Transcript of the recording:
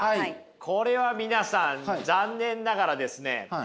これは皆さん残念ながらですね